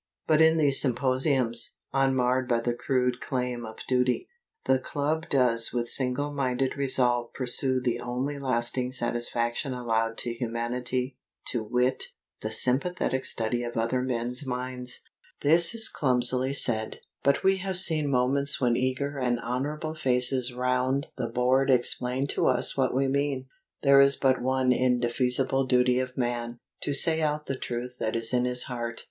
But in these symposiums, unmarred by the crude claim of duty, the Club does with single minded resolve pursue the only lasting satisfaction allowed to humanity, to wit, the sympathetic study of other men's minds. This is clumsily said: but we have seen moments when eager and honourable faces round the board explained to us what we mean. There is but one indefeasible duty of man, to say out the truth that is in his heart.